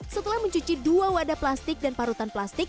setelah mencuci dua wadah plastik dan parutan plastik